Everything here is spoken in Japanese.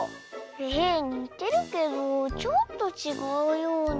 えにてるけどちょっとちがうような。